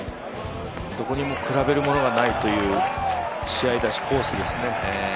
他に比べるものがないという試合だし、コースですね。